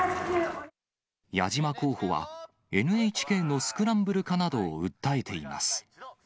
矢島候補はＮＨＫのスクランブル化などを訴えています。